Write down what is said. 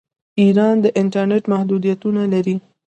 ایران د انټرنیټ محدودیتونه لري.